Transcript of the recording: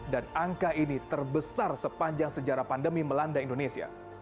dan angka ini terbesar sepanjang sejarah pandemi melanda indonesia